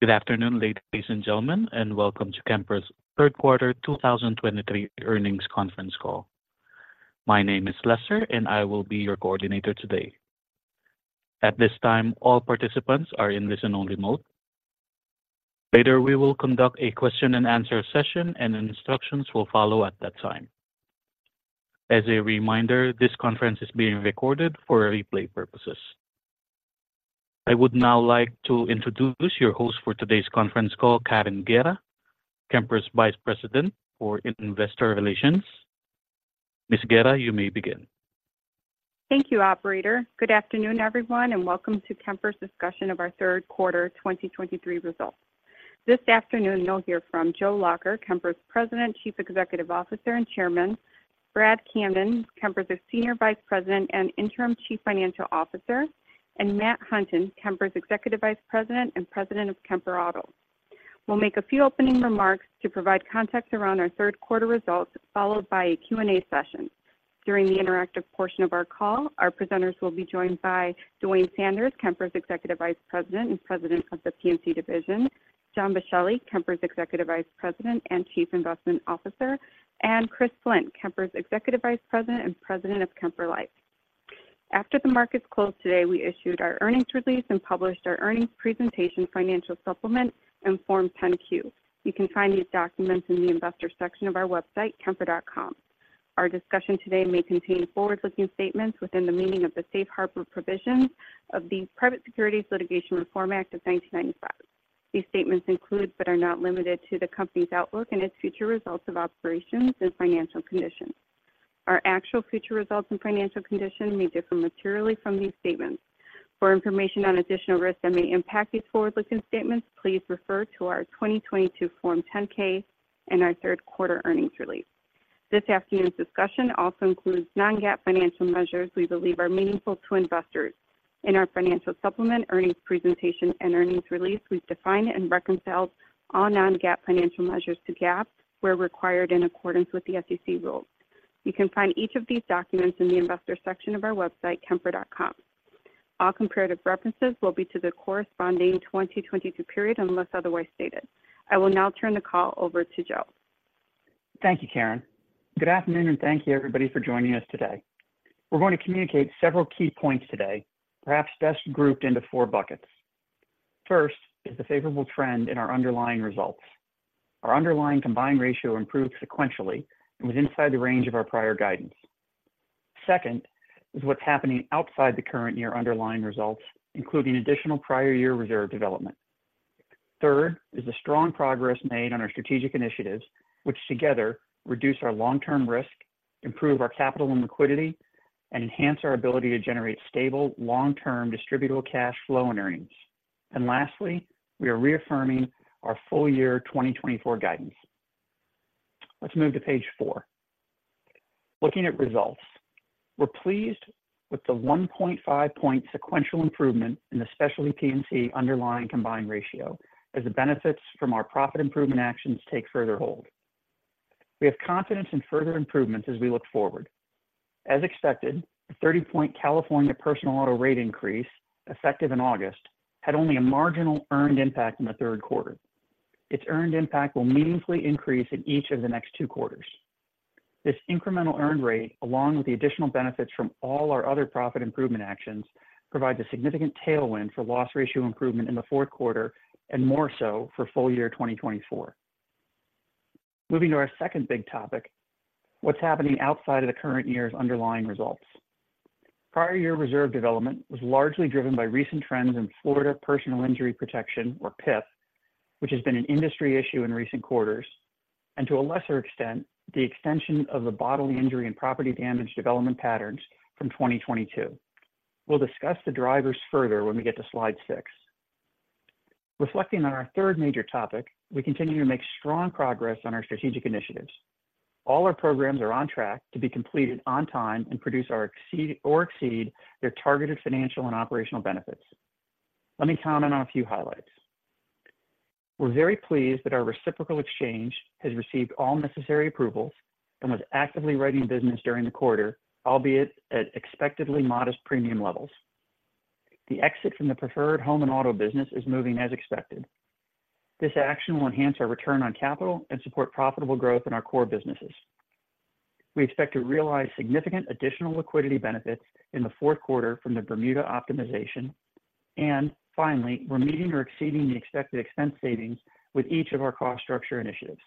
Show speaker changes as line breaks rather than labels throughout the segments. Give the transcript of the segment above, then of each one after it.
Good afternoon, ladies, ladies, and gentlemen, and welcome to Kemper's Third Quarter 2023 Earnings Conference Call. My name is Lester, and I will be your coordinator today. At this time, all participants are in listen-only mode. Later, we will conduct a question-and-answer session, and instructions will follow at that time. As a reminder, this conference is being recorded for replay purposes. I would now like to introduce your host for today's conference call, Karen Guerra, Kemper's Vice President for Investor Relations. Ms. Guerra, you may begin.
Thank you, operator. Good afternoon, everyone, and welcome to Kemper's discussion of our Third Quarter 2023 Results. This afternoon, you'll hear from Joe Lacher, Kemper's President, Chief Executive Officer, and Chairman, Brad Camden, Kemper's Senior Vice President and Interim Chief Financial Officer, and Matt Hunton, Kemper's Executive Vice President and President of Kemper Auto. We'll make a few opening remarks to provide context around our third quarter results, followed by a Q&A session. During the interactive portion of our call, our presenters will be joined by Duane Sanders, Kemper's Executive Vice President and President of the P&C Division, John Boschelli, Kemper's Executive Vice President and Chief Investment Officer, and Chris Flint, Kemper's Executive Vice President and President of Kemper Life. After the markets closed today, we issued our earnings release and published our earnings presentation, financial supplement, and Form 10-Q. You can find these documents in the investor section of our website, kemper.com. Our discussion today may contain forward-looking statements within the meaning of the Safe Harbor Provisions of the Private Securities Litigation Reform Act of 1995. These statements include, but are not limited to, the Company's outlook and its future results of operations and financial conditions. Our actual future results and financial conditions may differ materially from these statements. For information on additional risks that may impact these forward-looking statements, please refer to our 2022 Form 10-K and our third quarter earnings release. This afternoon's discussion also includes non-GAAP financial measures we believe are meaningful to investors. In our financial supplement, earnings presentation, and earnings release, we've defined and reconciled all non-GAAP financial measures to GAAP, where required in accordance with the SEC rules. You can find each of these documents in the investor section of our website, kemper.com. All comparative references will be to the corresponding 2022 period, unless otherwise stated. I will now turn the call over to Joe.
Thank you, Karen. Good afternoon, and thank you, everybody, for joining us today. We're going to communicate several key points today, perhaps best grouped into four buckets. First, is the favorable trend in our underlying results. Our underlying combined ratio improved sequentially and was inside the range of our prior guidance. Second, is what's happening outside the current near underlying results, including additional prior-year reserve development. Third, is the strong progress made on our strategic initiatives, which together reduce our long-term risk, improve our capital and liquidity, and enhance our ability to generate stable, long-term distributable cash flow and earnings. And lastly, we are reaffirming our full-year 2024 guidance. Let's move to page four. Looking at results, we're pleased with the 1.5-point sequential improvement in the Specialty P&C underlying combined ratio as the benefits from our profit improvement actions take further hold. We have confidence in further improvements as we look forward. As expected, the 30-point California personal auto rate increase, effective in August, had only a marginal earned impact in the third quarter. Its earned impact will meaningfully increase in each of the next two quarters. This incremental earned rate, along with the additional benefits from all our other profit improvement actions, provides a significant tailwind for loss ratio improvement in the fourth quarter and more so for full year 2024. Moving to our second big topic, what's happening outside of the current year's underlying results? Prior year reserve development was largely driven by recent trends in Florida Personal Injury Protection, or PIP, which has been an industry issue in recent quarters, and to a lesser extent, the extension of the bodily injury and property damage development patterns from 2022. We'll discuss the drivers further when we get to slide six. Reflecting on our third major topic, we continue to make strong progress on our strategic initiatives. All our programs are on track to be completed on time and produce or exceed their targeted financial and operational benefits. Let me comment on a few highlights. We're very pleased that our reciprocal exchange has received all necessary approvals and was actively writing business during the quarter, albeit at expectedly modest premium levels. The exit from the preferred home and auto business is moving as expected. This action will enhance our return on capital and support profitable growth in our core businesses. We expect to realize significant additional liquidity benefits in the fourth quarter from the Bermuda optimization. And finally, we're meeting or exceeding the expected expense savings with each of our cost structure initiatives.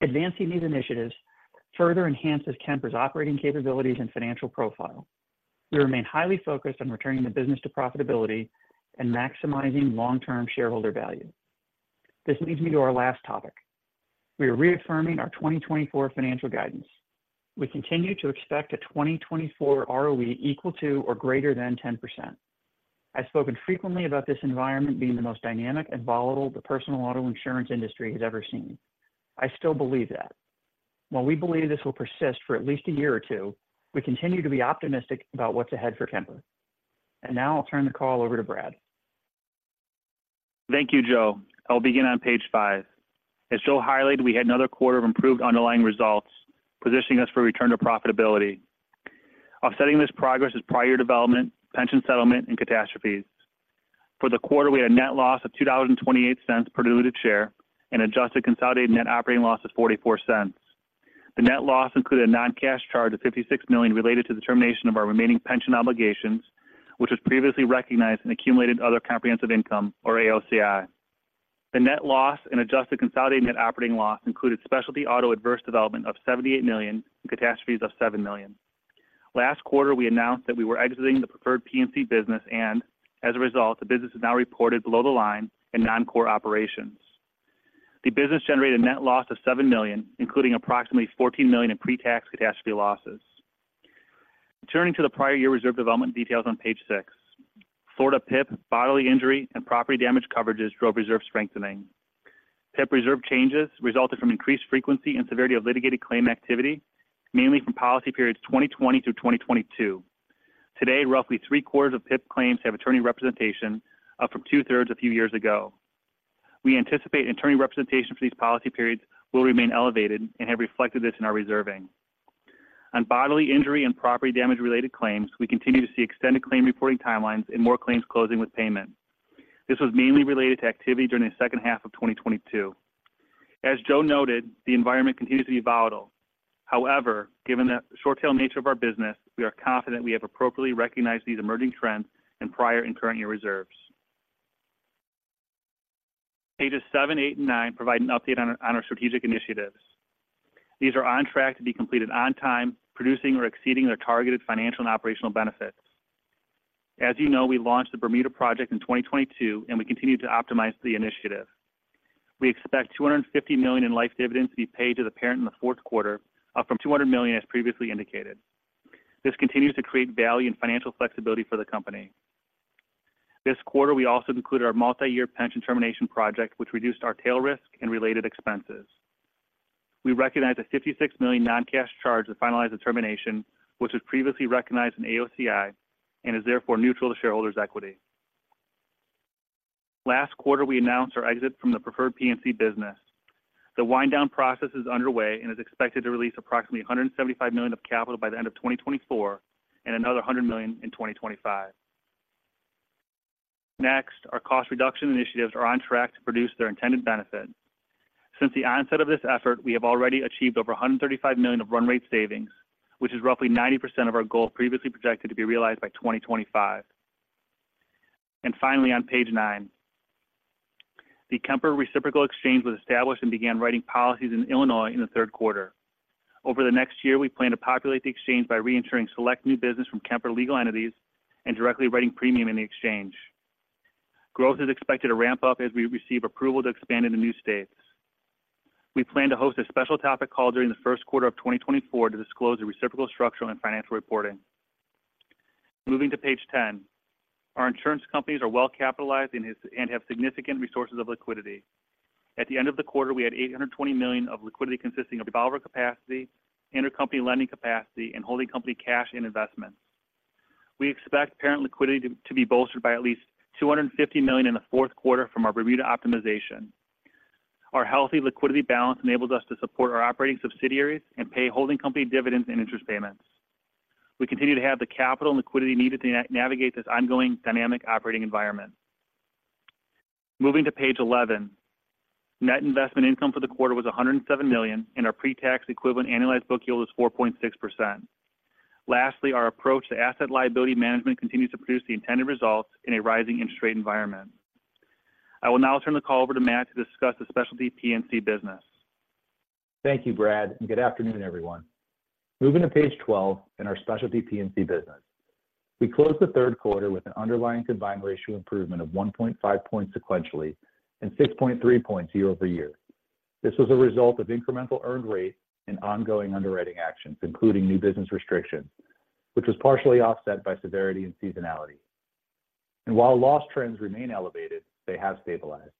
Advancing these initiatives further enhances Kemper's operating capabilities and financial profile. We remain highly focused on returning the business to profitability and maximizing long-term shareholder value. This leads me to our last topic. We are reaffirming our 2024 financial guidance. We continue to expect a 2024 ROE equal to or greater than 10%. I've spoken frequently about this environment being the most dynamic and volatile the personal auto insurance industry has ever seen. I still believe that. While we believe this will persist for at least a year or two, we continue to be optimistic about what's ahead for Kemper. Now I'll turn the call over to Brad.
Thank you, Joe. I'll begin on page five. As Joe highlighted, we had another quarter of improved underlying results, positioning us for return to profitability. Offsetting this progress is prior development, pension settlement, and catastrophes. For the quarter, we had a net loss of $2.28 per diluted share, an adjusted consolidated net operating loss of $0.44. The net loss included a non-cash charge of $56 million related to the termination of our remaining pension obligations, which was previously recognized in accumulated other comprehensive income, or AOCI. The net loss and adjusted consolidated net operating loss included specialty auto adverse development of $78 million and catastrophes of $7 million. Last quarter, we announced that we were exiting the preferred P&C business, and as a result, the business is now reported below the line in non-core operations. The business generated a net loss of $7 million, including approximately $14 million in pre-tax catastrophe losses. Turning to the prior year reserve development details on page six. Florida PIP, bodily injury, and property damage coverages drove reserve strengthening. PIP reserve changes resulted from increased frequency and severity of litigated claim activity, mainly from policy periods 2020 through 2022. Today, roughly three-quarters of PIP claims have attorney representation, up from two-thirds a few years ago. We anticipate attorney representation for these policy periods will remain elevated and have reflected this in our reserving. On bodily injury and property damage-related claims, we continue to see extended claim reporting timelines and more claims closing with payment. This was mainly related to activity during the second half of 2022. As Joe noted, the environment continues to be volatile. However, given the short tail nature of our business, we are confident we have appropriately recognized these emerging trends in prior and current year reserves. Pages seven, eight, and nine provide an update on our strategic initiatives. These are on track to be completed on time, producing or exceeding their targeted financial and operational benefits. As you know, we launched the Bermuda project in 2022, and we continue to optimize the initiative. We expect $250 million in life dividends to be paid to the parent in the fourth quarter, up from $200 million as previously indicated. This continues to create value and financial flexibility for the company. This quarter, we also concluded our multi-year pension termination project, which reduced our tail risk and related expenses. We recognized a $56 million non-cash charge to finalize the termination, which was previously recognized in AOCI and is therefore neutral to shareholders' equity. Last quarter, we announced our exit from the preferred P&C business. The wind-down process is underway and is expected to release approximately $175 million of capital by the end of 2024 and another $100 million in 2025. Next, our cost reduction initiatives are on track to produce their intended benefit. Since the onset of this effort, we have already achieved over $135 million of run-rate savings, which is roughly 90% of our goal previously projected to be realized by 2025. And finally, on page nine, the Kemper Reciprocal Exchange was established and began writing policies in Illinois in the third quarter. Over the next year, we plan to populate the exchange by reinsuring select new business from Kemper legal entities and directly writing premium in the exchange. Growth is expected to ramp up as we receive approval to expand into new states. We plan to host a special topic call during the first quarter of 2024 to disclose the reciprocal structural and financial reporting. Moving to page 10. Our insurance companies are well capitalized and have significant resources of liquidity. At the end of the quarter, we had $820 million of liquidity, consisting of revolver capacity, intercompany lending capacity, and holding company cash and investments. We expect parent liquidity to be bolstered by at least $250 million in the fourth quarter from our Bermuda optimization. Our healthy liquidity balance enables us to support our operating subsidiaries and pay holding company dividends and interest payments. We continue to have the capital and liquidity needed to navigate this ongoing dynamic operating environment. Moving to page 11, net investment income for the quarter was $107 million, and our pre-tax equivalent annualized book yield is 4.6%. Lastly, our approach to asset liability management continues to produce the intended results in a rising interest rate environment. I will now turn the call over to Matt to discuss the specialty P&C business.
Thank you, Brad, and good afternoon, everyone. Moving to page 12 in our specialty P&C business. We closed the third quarter with an underlying combined ratio improvement of 1.5 points sequentially and 6.3 points year-over-year. This was a result of incremental earned rate and ongoing underwriting actions, including new business restrictions, which was partially offset by severity and seasonality. And while loss trends remain elevated, they have stabilized.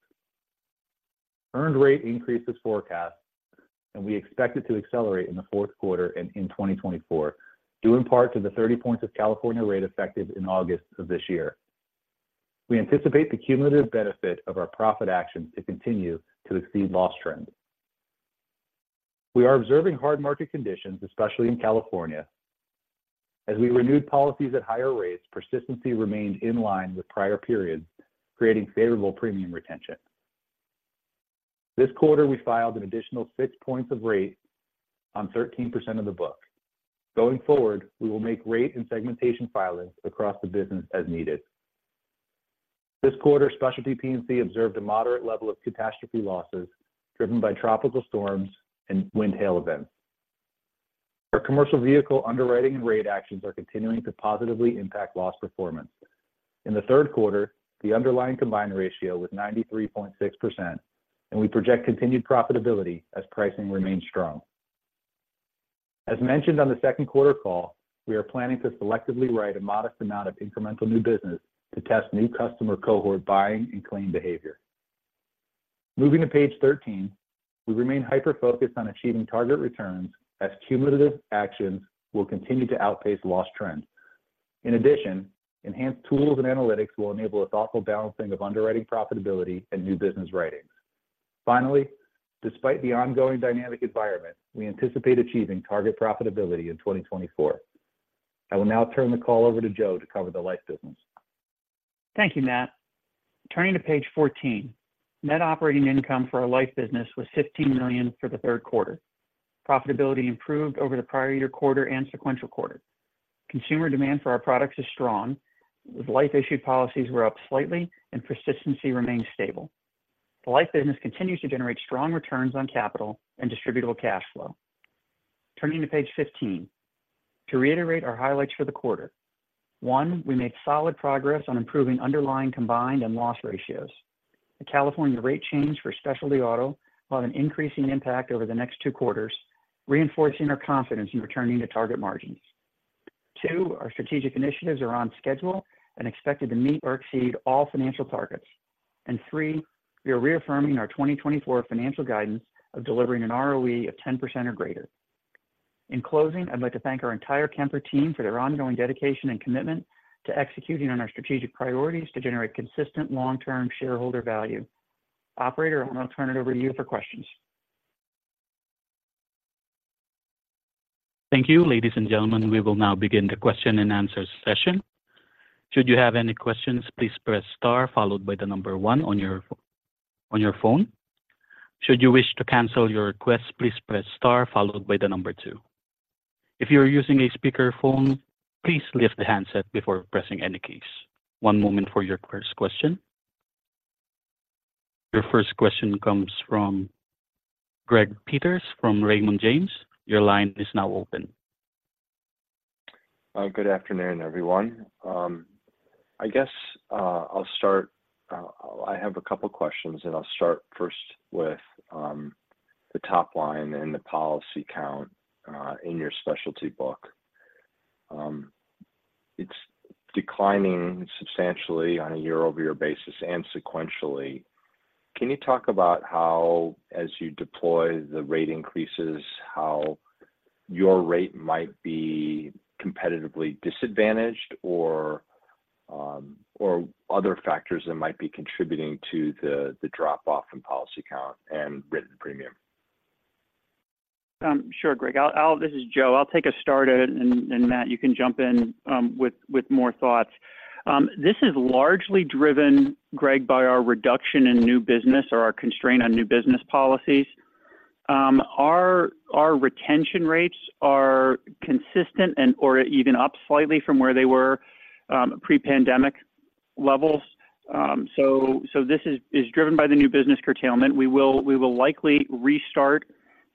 Earned rate increases forecast, and we expect it to accelerate in the fourth quarter and in 2024, due in part to the 30 points of California rate effective in August of this year. We anticipate the cumulative benefit of our profit actions to continue to exceed loss trends. We are observing hard market conditions, especially in California. As we renewed policies at higher rates, persistency remained in line with prior periods, creating favorable premium retention. This quarter, we filed an additional 6 points of rate on 13% of the book. Going forward, we will make rate and segmentation filings across the business as needed. This quarter, specialty P&C observed a moderate level of catastrophe losses driven by tropical storms and wind/hail events. Our commercial vehicle underwriting and rate actions are continuing to positively impact loss performance. In the third quarter, the underlying combined ratio was 93.6%, and we project continued profitability as pricing remains strong. As mentioned on the second quarter call, we are planning to selectively write a modest amount of incremental new business to test new customer cohort buying and claim behavior. Moving to page 13, we remain hyper-focused on achieving target returns as cumulative actions will continue to outpace loss trends. In addition, enhanced tools and analytics will enable a thoughtful balancing of underwriting profitability and new business writings. Finally, despite the ongoing dynamic environment, we anticipate achieving target profitability in 2024. I will now turn the call over to Joe to cover the life business.
Thank you, Matt. Turning to page 14, net operating income for our life business was $15 million for the third quarter. Profitability improved over the prior-year quarter and sequential quarter. Consumer demand for our products is strong, with life issued policies were up slightly and persistency remains stable. The life business continues to generate strong returns on capital and distributable cash flow. Turning to page 15, to reiterate our highlights for the quarter. One, we made solid progress on improving underlying combined and loss ratios. The California rate change for specialty auto will have an increasing impact over the next two quarters, reinforcing our confidence in returning to target margins. Two, our strategic initiatives are on schedule and expected to meet or exceed all financial targets. And three, we are reaffirming our 2024 financial guidance of delivering an ROE of 10% or greater. In closing, I'd like to thank our entire Kemper team for their ongoing dedication and commitment to executing on our strategic priorities to generate consistent long-term shareholder value. Operator, I'm going to turn it over to you for questions.
Thank you. Ladies and gentlemen, we will now begin the question and answer session. Should you have any questions, please press star followed by the number 1 on your phone. Should you wish to cancel your request, please press star followed by the number 2. If you are using a speakerphone, please lift the handset before pressing any keys. One moment for your first question. Your first question comes from Greg Peters from Raymond James. Your line is now open.
Good afternoon, everyone. I guess, I'll start. I have a couple of questions, and I'll start first with the top line and the policy count in your specialty book. It's declining substantially on a year-over-year basis and sequentially. Can you talk about how, as you deploy the rate increases, how your rate might be competitively disadvantaged or, or other factors that might be contributing to the drop-off in policy count and written premium?
Sure, Greg. This is Joe. I'll take a start at it, and Matt, you can jump in with more thoughts. This is largely driven, Greg, by our reduction in new business or our constraint on new business policies. Our retention rates are consistent and/or even up slightly from where they were pre-pandemic levels. So this is driven by the new business curtailment. We will likely restart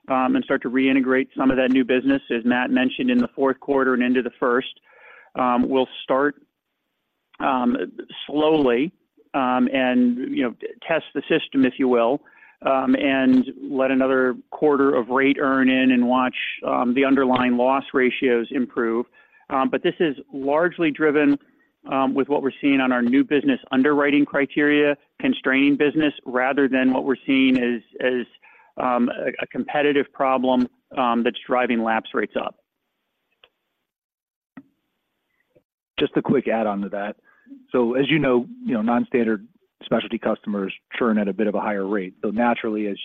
and start to reintegrate some of that new business, as Matt mentioned, in the fourth quarter and into the first. We'll start slowly, and you know, test the system, if you will, and let another quarter of rate earn in and watch the underlying loss ratios improve. But this is largely driven with what we're seeing on our new business underwriting criteria, constraining business, rather than what we're seeing as a competitive problem that's driving lapse rates up.
Just a quick add-on to that. So as you know, you know, non-standard specialty customers churn at a bit of a higher rate. So naturally, as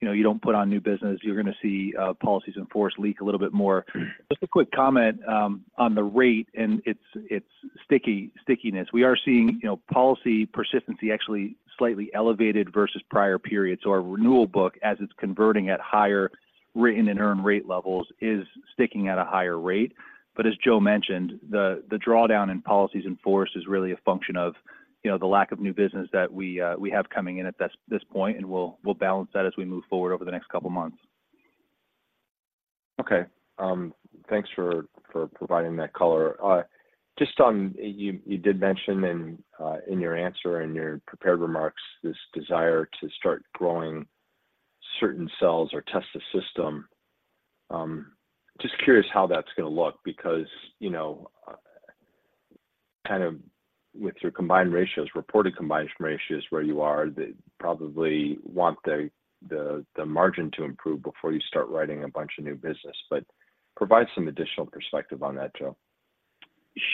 you know, you don't put on new business, you're going to see policies in force leak a little bit more. Just a quick comment on the rate and its stickiness. We are seeing, you know, policy persistency actually slightly elevated versus prior periods. So our renewal book, as it's converting at higher written and earned rate levels, is sticking at a higher rate. But as Joe mentioned, the drawdown in policies in force is really a function of, you know, the lack of new business that we have coming in at this point, and we'll balance that as we move forward over the next couple of months.
Okay. Thanks for, for providing that color. You did mention in your answer, in your prepared remarks, this desire to start growing certain cells or test the system. Just curious how that's going to look, because with your combined ratios, reported combined ratios, where you are, they probably want the, the, the margin to improve before you start writing a bunch of new business. But provide some additional perspective on that, Joe.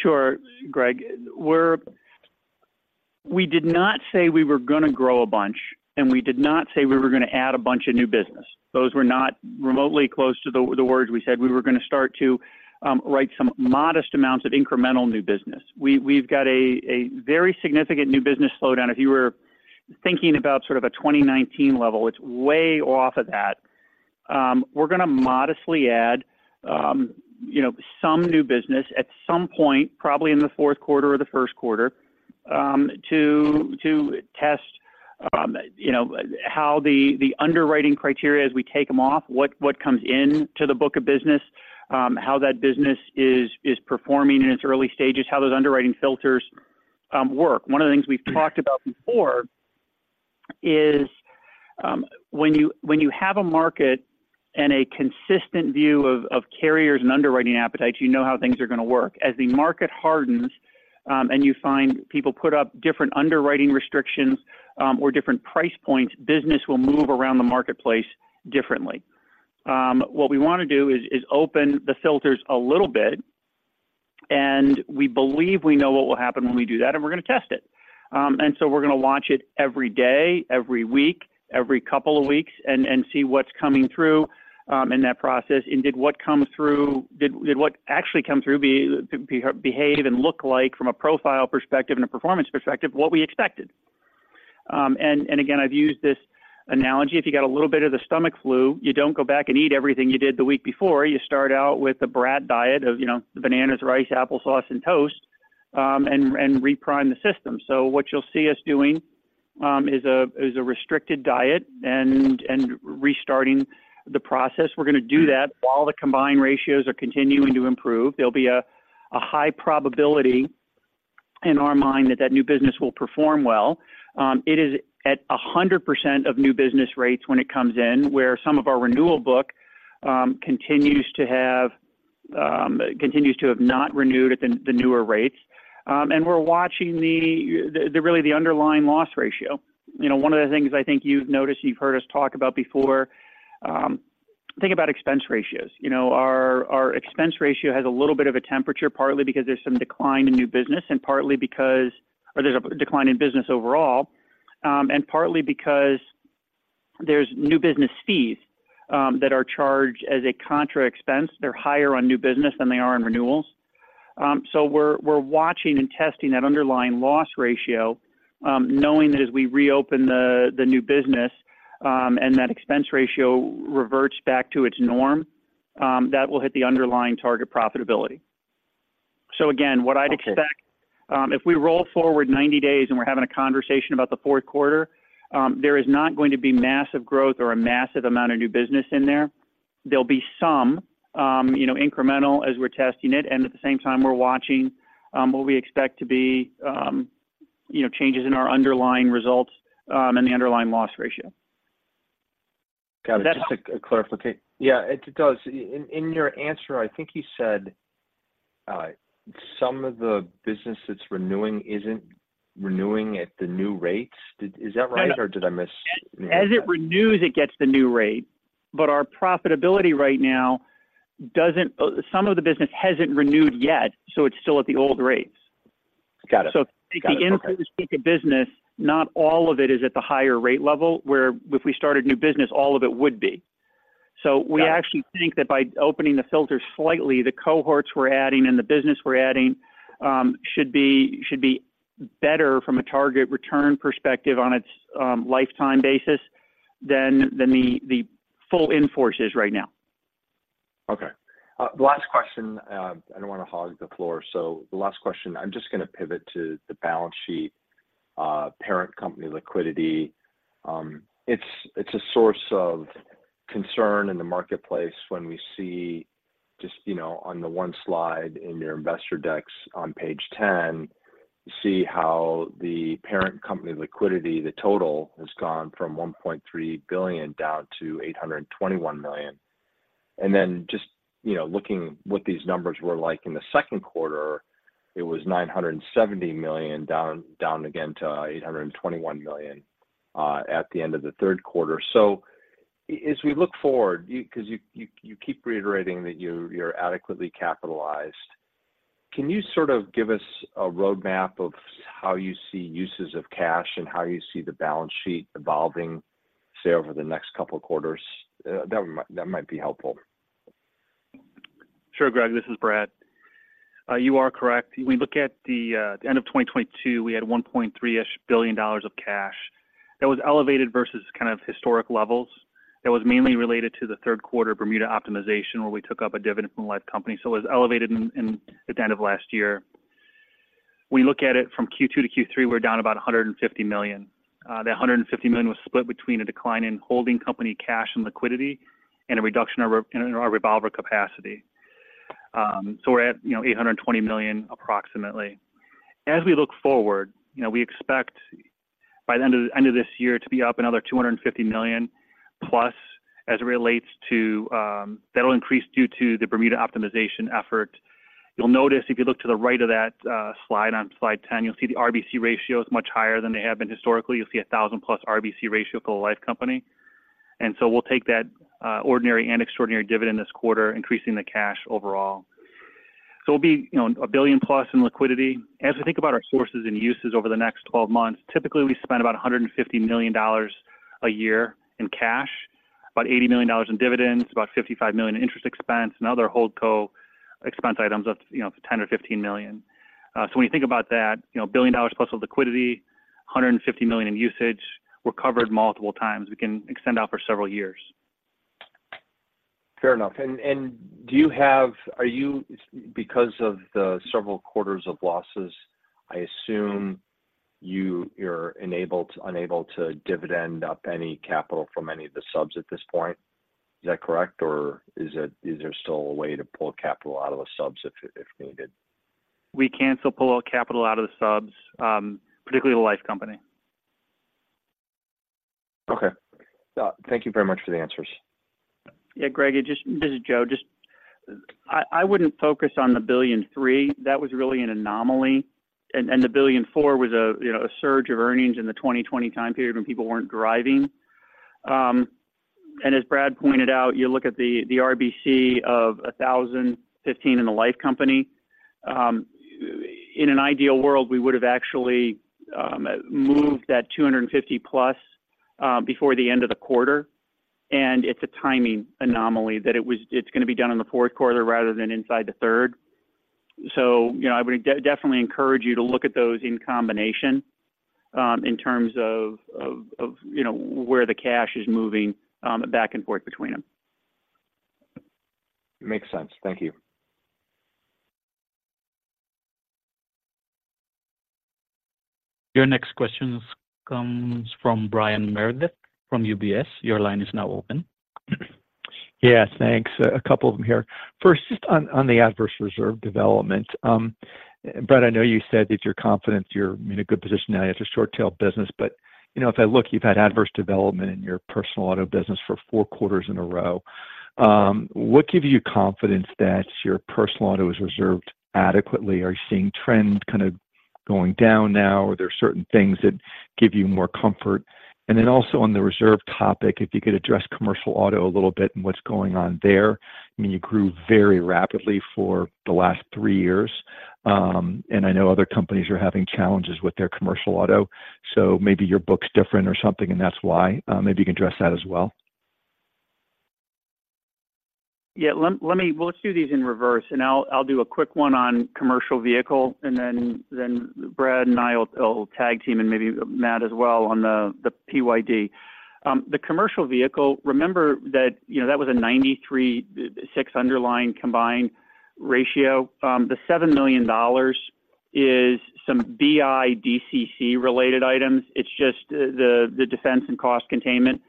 Sure, Greg. We did not say we were gonna grow a bunch, and we did not say we were gonna add a bunch of new business. Those were not remotely close to the words we said. We were gonna start to write some modest amounts of incremental new business. We've got a very significant new business slowdown. If you were thinking about sort of a 2019 level, it's way off of that. We're gonna modestly add, you know, some new business at some point, probably in the fourth quarter or the first quarter, to test how the underwriting criteria as we take them off, what comes in to the book of business, how that business is performing in its early stages, how those underwriting filters work. One of the things we've talked about before is, when you have a market and a consistent view of carriers and underwriting appetite, you know how things are gonna work. As the market hardens, and you find people put up different underwriting restrictions, or different price points, business will move around the marketplace differently. What we want to do is open the filters a little bit and we believe we know what will happen when we do that, and we're going to test it. And so we're going to launch it every day, every week, every couple of weeks, and see what's coming through in that process, and did what actually come through behave and look like from a profile perspective and a performance perspective what we expected? Again, I've used this analogy: if you got a little bit of the stomach flu, you don't go back and eat everything you did the week before. You start out with a BRAT diet of, you know, bananas, rice, applesauce, and toast, reprime the system. So what you'll see us doing is a restricted diet and restarting the process. We're going to do that while the combined ratios are continuing to improve. There'll be a high probability in our mind that that new business will perform well. It is at 100% of new business rates when it comes in, where some of our renewal book continues to have not renewed at the newer rates. We're watching really the underlying loss ratio. One of the things I think you've noticed, you've heard us talk about before, think about expense ratios. Our expense ratio has a little bit of a temperature, partly because there's some decline in new business, and partly because there's a decline in business overall, and partly because there's new business fees, that are charged as a contra expense. They're higher on new business than they are on renewals. So we're, we're watching and testing that underlying loss ratio, knowing that as we reopen the, the new business, and that expense ratio reverts back to its norm, that will hit the underlying target profitability. What I'd expect if we roll forward 90 days and we're having a conversation about the fourth quarter, there is not going to be massive growth or a massive amount of new business in there. There'll be some, you know, incremental as we're testing it, and at the same time, we're watching, what we expect to be, you know, changes in our underlying results, and the underlying loss ratio.
Got it. Just a clarification. It does. In your answer, I think you said some of the business that's renewing isn't renewing at the new rates. Is that right, or did I miss?
As it renews, it gets the new rate, but our profitability right now doesn't, some of the business hasn't renewed yet, so it's still at the old rates. If the input is peak of business, not all of it is at the higher rate level, where if we started new business, all of it would be. So we actually think that by opening the filters slightly, the cohorts we're adding and the business we're adding should be better from a target return perspective on its lifetime basis than the full in-force is right now.
Okay. The last question, I don't want to hog the floor. So the last question, I'm just going to pivot to the balance sheet, parent company liquidity. It's, it's a source of concern in the marketplace when we see just, you know, on the one slide in your investor decks on page 10, you see how the parent company liquidity, the total, has gone from $1.3 billion down to $821 million. And then just, you know, looking what these numbers were like in the second quarter, it was $970 million down, down again to $821 million, at the end of the third quarter. So as we look forward, 'cause you keep reiterating that you're adequately capitalized, can you sort of give us a roadmap of how you see uses of cash and how you see the balance sheet evolving, say, over the next couple of quarters? That might be helpful.
Sure, Greg, this is Brad. You are correct. We look at the end of 2022, we had $1.3 billion-ish of cash. That was elevated versus kind of historic levels. That was mainly related to the third quarter Bermuda optimization, where we took up a dividend from the life company. So it was elevated in at the end of last year. We look at it from Q2 to Q3, we're down about $150 million. That $150 million was split between a decline in holding company cash and liquidity and a reduction in our revolver capacity. So we're at, you know, $820 million approximately. As we look forward, you know, we expect by the end of this year to be up another $250 million+, as it relates to, that'll increase due to the Bermuda optimization effort. You'll notice, if you look to the right of that, slide on slide 10, you'll see the RBC ratio is much higher than they have been historically. You'll see a 1,000+ RBC ratio for the life company. And so we'll take that, ordinary and extraordinary dividend this quarter, increasing the cash overall. So we'll be, you know, $1 billion+ in liquidity. As we think about our sources and uses over the next twelve months, typically, we spend about $150 million a year in cash, about $80 million in dividends, about $55 million in interest expense, and other HoldCo expense items, that's $10 million to $15 million. So when you think about that $1 billion+ of liquidity, $150 million in usage, we're covered multiple times. We can extend out for several years.
Fair enough. Are you, because of the several quarters of losses, I assume you're unable to dividend up any capital from any of the subs at this point? Is that correct, or is there still a way to pull capital out of the subs if needed?
We can still pull capital out of the subs, particularly the life company.
Okay. Thank you very much for the answers.
Yeah, Greg, it just. This is Joe. Just, I wouldn't focus on the $1.3 billion. That was really an anomaly, and the $1.4 billion was a, you know, a surge of earnings in the 2020 time period when people weren't driving. And as Brad pointed out, you look at the RBC of 1,015 in the life company. In an ideal world, we would have actually moved that 250+ before the end of the quarter, and it's a timing anomaly that it's going to be done in the fourth quarter rather than inside the third. So, you know, I would definitely encourage you to look at those in combination in terms of, you know, where the cash is moving back and forth between them.
Makes sense. Thank you.
Your next question comes from Brian Meredith, from UBS. Your line is now open.
Yeah, thanks. A couple of them here. First, just on the adverse reserve development. Brad, I know you said that you're confident you're in a good position now, it's a short tail business, but, you know, if I look, you've had adverse development in your personal auto business for four quarters in a row. What gives you confidence that your personal auto is reserved adequately? Are you seeing trends kind of going down now, or are there certain things that give you more comfort? And then also on the reserve topic, if you could address commercial auto a little bit and what's going on there. I mean, you grew very rapidly for the last three years, and I know other companies are having challenges with their commercial auto, so maybe your book's different or something, and that's why. Maybe you can address that as well.
Yeah, let me - well, let's do these in reverse, and I'll do a quick one on commercial vehicle, and then Brad and I will tag team and maybe Matt as well on the PYD. The commercial vehicle, remember that, you know, that was a 93.6 underlying combined ratio. The $7 million is some BI DCC-related items. It's just the Defense and Cost Containment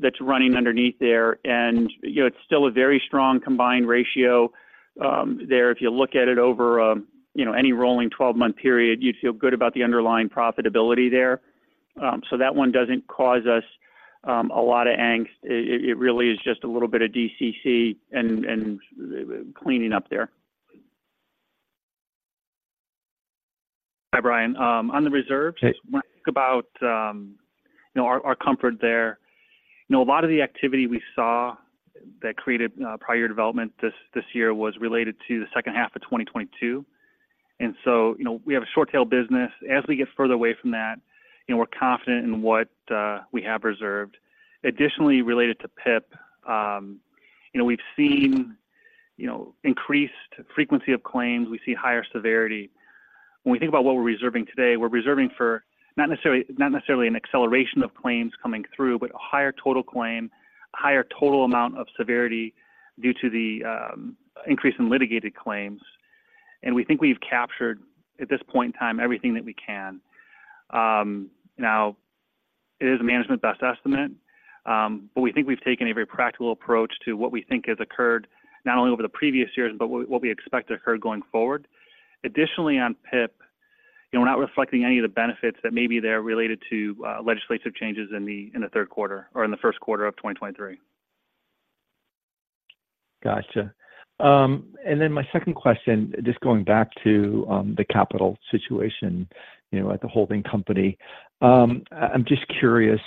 that's running underneath there. It's still a very strong Combined Ratio there. If you look at it over, you know, any rolling 12-month period, you'd feel good about the underlying profitability there. So that one doesn't cause us a lot of angst. It really is just a little bit of DCC and cleaning up there.
Hi, Brian. On the reserve, I think about, you know, our comfort there, you know, a lot of the activity we saw that created prior development this year was related to the second half of 2022. And so, you know, we have a short tail business. As we get further away from that, you know, we're confident in what we have reserved. Additionally, related to PIP, you know, we've seen, you know, increased frequency of claims, we see higher severity. When we think about what we're reserving today, we're reserving for not necessarily, not necessarily an acceleration of claims coming through, but a higher total claim, a higher total amount of severity due to the increase in litigated claims. And we think we've captured, at this point in time, everything that we can. Now, it is a management best estimate, but we think we've taken a very practical approach to what we think has occurred, not only over the previous years, but what we expect to occur going forward. Additionally, on PIP, you know, we're not reflecting any of the benefits that may be there related to legislative changes in the third quarter or in the first quarter of 2023.
Gotcha. And then my second question, just going back to the capital situation, you know, at the holding company. I'm just curious,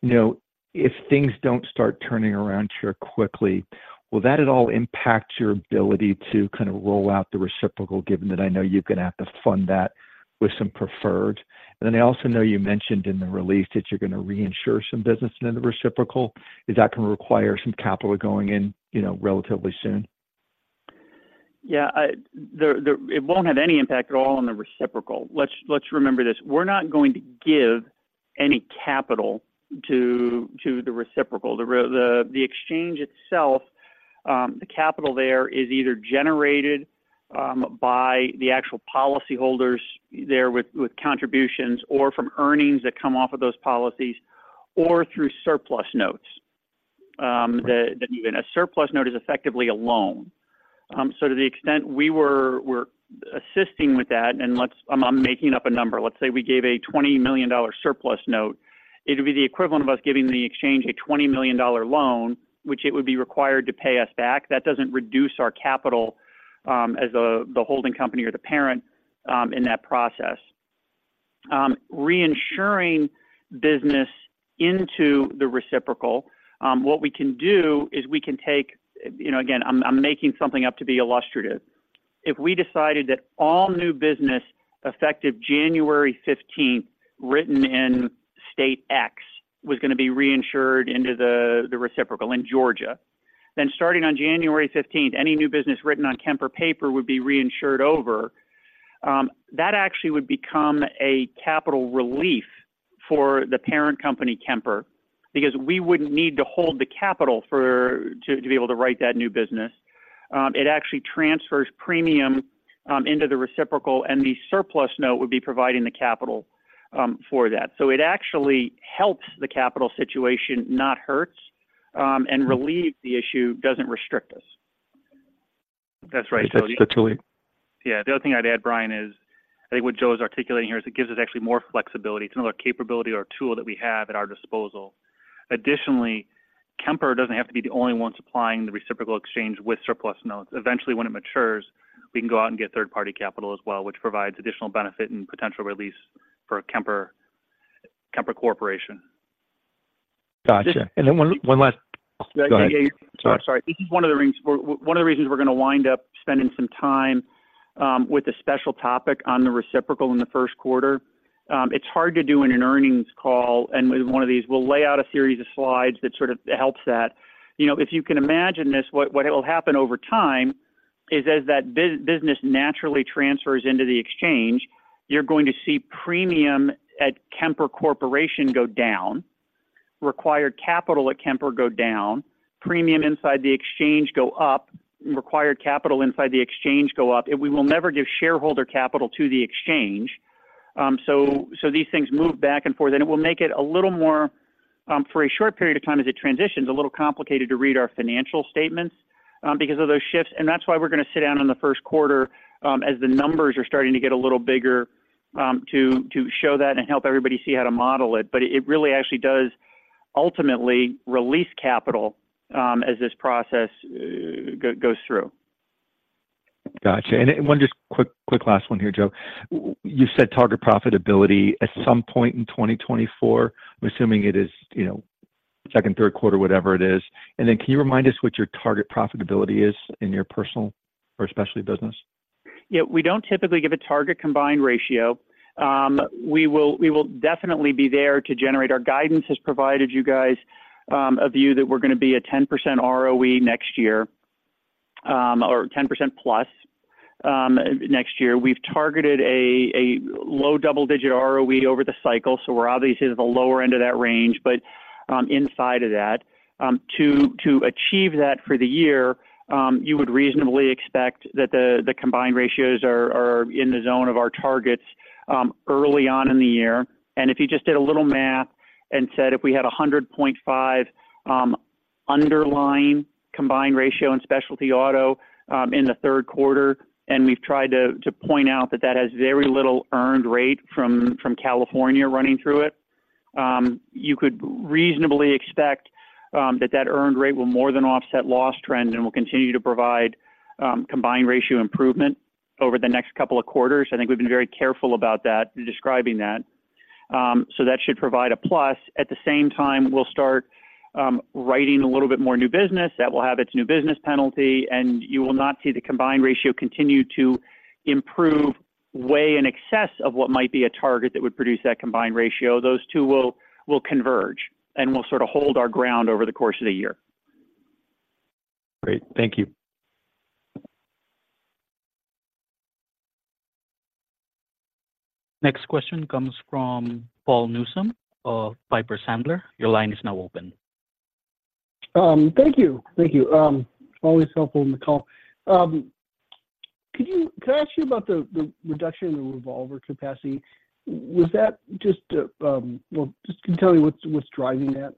you know, if things don't start turning around here quickly, will that at all impact your ability to kind of roll out the reciprocal, given that I know you're going to have to fund that with some preferred? And then I also know you mentioned in the release that you're going to reinsure some business in the reciprocal. Is that going to require some capital going in, you know, relatively soon?
Yeah, it won't have any impact at all on the reciprocal. Let's remember this: we're not going to give any capital to the reciprocal. The exchange itself, the capital there is either generated by the actual policyholders there with contributions or from earnings that come off of those policies or through surplus notes. That even a surplus note is effectively a loan. So to the extent we're assisting with that, and I'm making up a number. Let's say we gave a $20 million surplus note, it would be the equivalent of us giving the exchange a $20 million loan, which it would be required to pay us back. That doesn't reduce our capital as the holding company or the parent in that process. Reinsuring business into the reciprocal, what we can do is we can take, you know, again, I'm making something up to be illustrative. If we decided that all new business effective January fifteenth, written in state X, was going to be reinsured into the reciprocal in Georgia, then starting on January fifteenth, any new business written on Kemper paper would be reinsured over. That actually would become a capital relief for the parent company, Kemper, because we wouldn't need to hold the capital for to be able to write that new business. It actually transfers premium into the reciprocal, and the surplus note would be providing the capital for that. So it actually helps the capital situation, not hurts, and relieves the issue, doesn't restrict us.
That's the tool.
Yeah. The other thing I'd add, Brian, is, I think what Joe is articulating here is it gives us actually more flexibility. It's another capability or tool that we have at our disposal. Additionally, Kemper doesn't have to be the only one supplying the reciprocal exchange with surplus notes. Eventually, when it matures, we can go out and get third-party capital as well, which provides additional benefit and potential release for Kemper, Kemper Corporation.
Sorry. This is one of the reasons, one of the reasons we're going to wind up spending some time with a special topic on the reciprocal in the first quarter. It's hard to do in an earnings call, and in one of these, we'll lay out a series of slides that sort of helps that. You know, if you can imagine this, what will happen over time is as that business naturally transfers into the exchange, you're going to see premium at Kemper Corporation go down, required capital at Kemper go down, premium inside the exchange go up, required capital inside the exchange go up, and we will never give shareholder capital to the exchange. So, these things move back and forth, and it will make it a little more, for a short period of time as it transitions, a little complicated to read our financial statements, because of those shifts. And that's why we're going to sit down in the first quarter, as the numbers are starting to get a little bigger, to show that and help everybody see how to model it. But it really actually does ultimately release capital, as this process goes through.
Got you. And one just quick last one here, Joe. You said target profitability at some point in 2024. I'm assuming it is, you know, second, third quarter, whatever it is. And then can you remind us what your target profitability is in your personal or specialty business?
Yeah, we don't typically give a target Combined Ratio. We will definitely be there to generate. Our guidance has provided you guys a view that we're going to be a 10% ROE next year, or 10%+, next year. We've targeted a low double-digit ROE over the cycle, so we're obviously at the lower end of that range, but inside of that. To achieve that for the year, you would reasonably expect that the Combined Ratios are in the zone of our targets early on in the year. And if you just did a little math and said, if we had 100.5 underlying combined ratio in specialty auto in the third quarter, and we've tried to point out that that has very little earned rate from California running through it, you could reasonably expect that that earned rate will more than offset loss trend and will continue to provide combined ratio improvement over the next couple of quarters. I think we've been very careful about that in describing that. So that should provide a plus. At the same time, we'll start writing a little bit more new business. That will have its new business penalty, and you will not see the combined ratio continue to improve way in excess of what might be a target that would produce that combined ratio. Those two will converge, and we'll sort of hold our ground over the course of the year.
Great, thank you.
Next question comes from Paul Newsome of Piper Sandler. Your line is now open.
Thank you. Thank you. Always helpful in the call. Can I ask you about the, the reduction in the revolver capacity? Was that just, well, just can you tell me what's, what's driving that,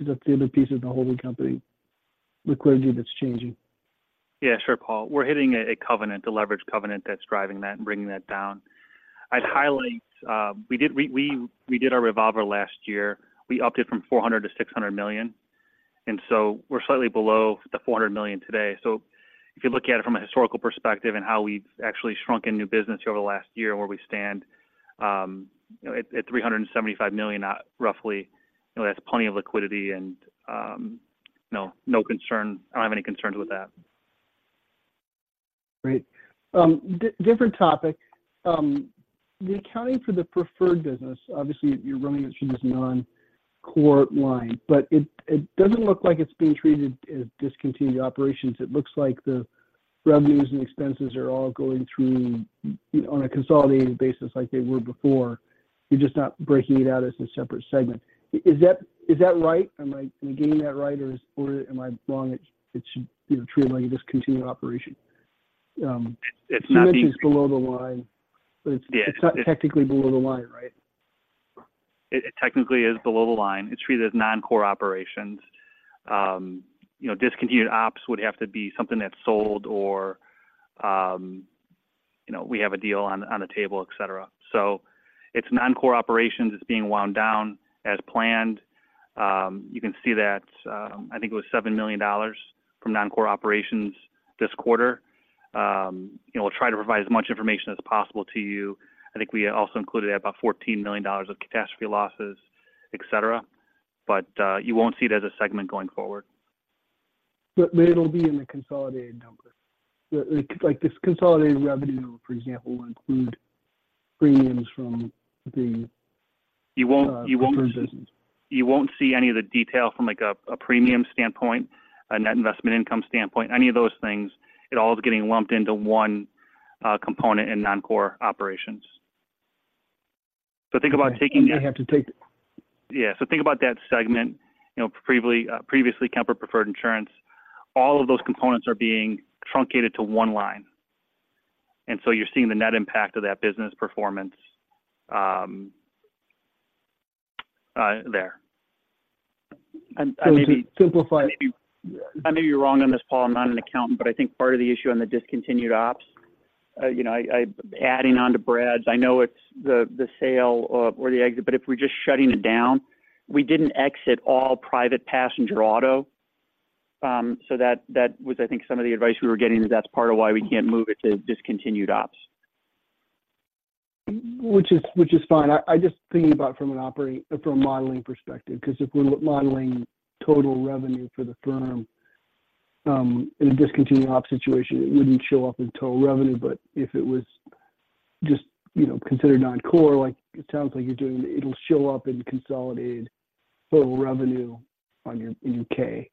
is that the other piece of the holding company, liquidity that's changing?
Yeah, sure, Paul. We're hitting a covenant, a leverage covenant that's driving that and bringing that down. I'd highlight, we did our revolver last year. We upped it from $400 million to $600 million, and so we're slightly below the $400 million today. So if you look at it from a historical perspective and how we've actually shrunken new business over the last year and where we stand, you know, at $375 million, roughly, you know, that's plenty of liquidity and no concern. I don't have any concerns with that.
Great. Different topic. The accounting for the preferred business, obviously, you're running it through this non-core line, but it doesn't look like it's being treated as discontinued operations. It looks like the revenues and expenses are all going through on a consolidated basis like they were before. You're just not breaking it out as a separate segment. Is that right? Am I getting that right, or am I wrong? It's, you know, treated like a discontinued operation? It's below the line, it's not technically below the line, right?
It technically is below the line. It's treated as non-core operations. You know, discontinued ops would have to be something that's sold or, you know, we have a deal on the table, et cetera. So it's non-core operations. It's being wound down as planned. You can see that, I think it was $7 million from non-core operations this quarter. You know, we'll try to provide as much information as possible to you. I think we also included about $14 million of catastrophe losses, et cetera, but you won't see it as a segment going forward.
But then it'll be in the consolidated numbers. Like, this consolidated revenue, for example, will include premiums from the preferred business.
You won't see any of the detail from, like, a premium standpoint, a net investment income standpoint, any of those things. It all is getting lumped into one component in non-core operations. Yeah. So think about that segment, you know, previously, previously Kemper Preferred Insurance, all of those components are being truncated to one line, and so you're seeing the net impact of that business performance, there. I may be wrong on this, Paul, I'm not an accountant, but I think part of the issue on the discontinued ops, you know, adding on to Brad's, I know it's the sale or the exit, but if we're just shutting it down, we didn't exit all private passenger auto so that, that was, I think, some of the advice we were getting is that's part of why we can't move it to discontinued ops.
Which is fine. I just thinking about from an operating, from a modeling perspective, because if we're modeling total revenue for the firm, in a discontinued op situation, it wouldn't show up in total revenue. But if it was just, you know, considered non-core, like it sounds like you're doing, it'll show up in consolidated total revenue on your, in 10-K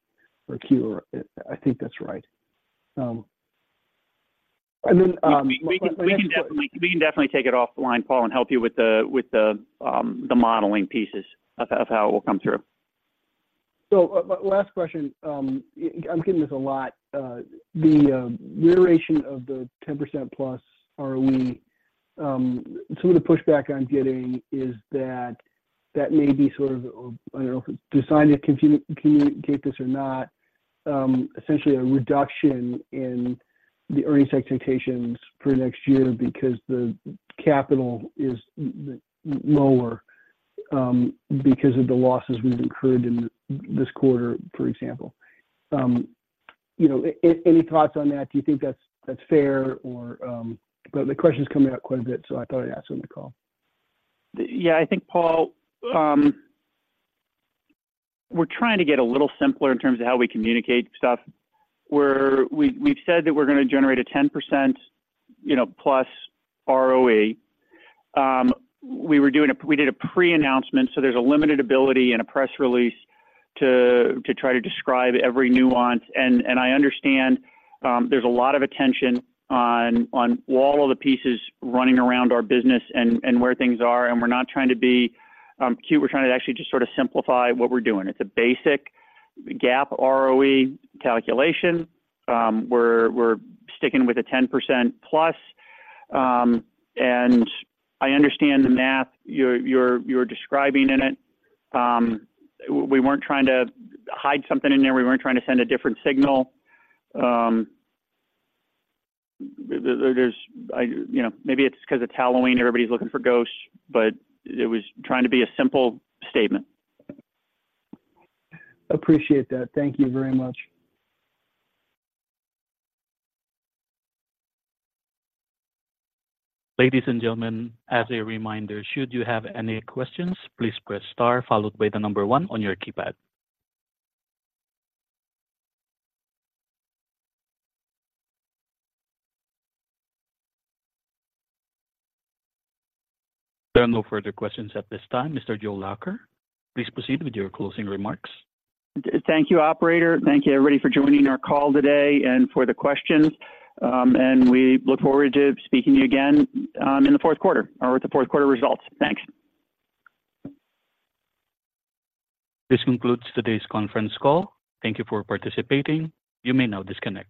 or 10-Q. I think that's right. And then,
We can definitely take it off the line, Paul, and help you with the modeling pieces of how it will come through.
So, last question. I'm getting this a lot. The iteration of the 10%+ ROE, some of the pushback I'm getting is that that may be sort of, I don't know if it's designed to communicate this or not, essentially a reduction in the earnings expectations for next year because the capital is lower, because of the losses we've incurred in this quarter, for example. You know, any thoughts on that? Do you think that's fair, but the question is coming up quite a bit, so I thought I'd ask on the call.
Paul, we're trying to get a little simpler in terms of how we communicate stuff. We're, we've said that we're going to generate a 10% plus ROE. We were doing a, we did a pre-announcement, so there's a limited ability in a press release to try to describe every nuance. And I understand, there's a lot of attention on all of the pieces running around our business and where things are, and we're not trying to be cute. We're trying to actually just sort of simplify what we're doing. It's a basic gap ROE calculation. We're sticking with a 10%+. And I understand the math you're describing in it. We weren't trying to hide something in there. We weren't trying to send a different signal. You know, maybe it's because it's Halloween, everybody's looking for ghosts, but it was trying to be a simple statement.
Appreciate that. Thank you very much.
Ladies and gentlemen, as a reminder, should you have any questions, please press star followed by the number one on your keypad. There are no further questions at this time. Mr. Joe Lacher, please proceed with your closing remarks.
Thank you, operator. Thank you, everybody, for joining our call today and for the questions. We look forward to speaking to you again in the fourth quarter or with the fourth quarter results. Thanks.
This concludes today's conference call. Thank you for participating. You may now disconnect.